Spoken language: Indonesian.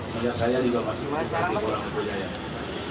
sejak saya juga masuk ke ketikolah metro jaya